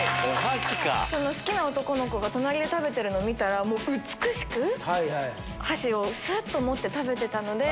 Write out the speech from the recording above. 好きな男の子が隣で食べてるのを見たら美しく箸をすっと持って食べてたので。